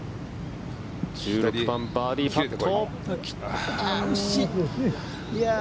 １６番バーディーパット。